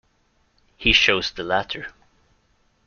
He chose the latter.